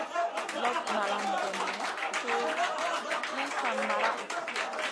Lop nalam bone su yi san maraʼha?